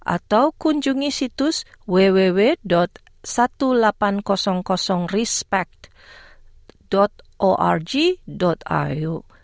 atau kunjungi situs www seribu delapan ratus respect org au